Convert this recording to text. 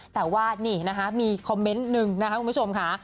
แต่ว่านี่นะคะมีคอมเมนต์หนึ่งนะคะคุณผู้ชมค่ะ